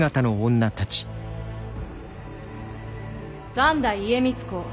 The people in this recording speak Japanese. ・三代家光公